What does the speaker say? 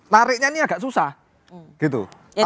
tariknya ini agak susah gitu